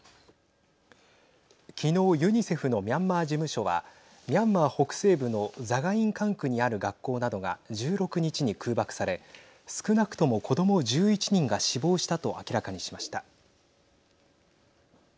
昨日ユニセフのミャンマー事務所はミャンマー北西部のザガイン管区にある学校などが１６日に空爆され少なくとも、子ども１１人が死亡したと明らかにしました。